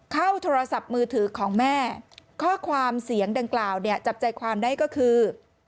โทรศัพท์มือถือของแม่ข้อความเสียงดังกล่าวเนี่ยจับใจความได้ก็คือ